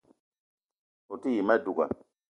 O te yi ma douga